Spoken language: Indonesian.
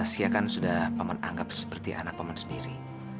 sia kan sudah paman anggap seperti anak paman sendiri